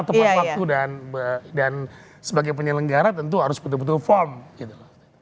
tepat waktu dan sebagai penyelenggara tentu harus betul betul firm gitu loh